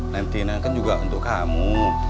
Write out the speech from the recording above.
lain tina kan juga untuk kamu